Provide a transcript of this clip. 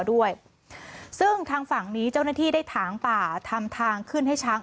ด้วยซึ่งทางฝั่งนี้เจ้าหน้าที่ได้ถางป่าทำทางขึ้นให้ช้าง